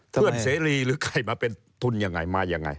เสรีหรือใครมาเป็นทุนยังไงมายังไง